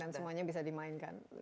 dan semuanya bisa dimainkan